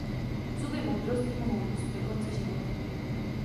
Zuby moudrosti mohou růst do konce života.